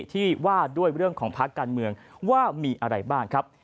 ที่ว่าด้วยเรื่องของภาคการเมืองว่ามีอะไรบ้างครับ